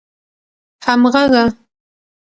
همږغه